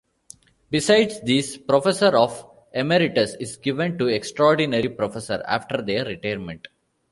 Beside these, professor of Emeritus is given to extraordinary professor after their retirement.